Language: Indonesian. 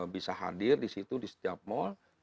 bisa hadir di situ di setiap mall